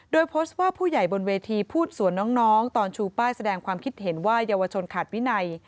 โดยโพสต์ว่าผู้ใหญ่บนเวทีพูดสวนน้องตอนชูป้ายแสดงความคิดเห็นว่าเยาวชนขาดวินัย